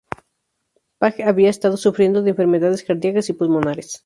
Page había estado sufriendo de enfermedades cardíacas y pulmonares.